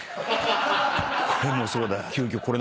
これもそうだ。